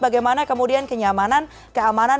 bagaimana kemudian kenyamanan keamanan